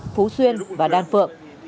phú xuyên và đan phượng